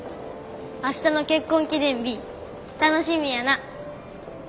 明日の結婚記念日楽しみやな。